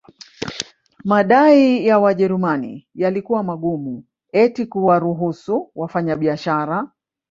Madai ya Wajerumani yalikuwa magumu eti kuwaruhusu wafanyabiashara